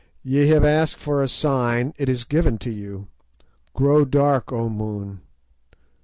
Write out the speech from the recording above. Ye have asked for a sign; it is given to you. Grow dark, O Moon!